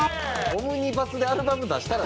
オムニバスでアルバム出したら。